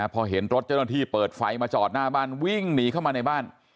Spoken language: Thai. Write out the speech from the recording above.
พอเห็นรถเจ้าหน้าที่เปิดไฟมาจอดหน้าบ้านวิ่งหนีเข้ามาในบ้าน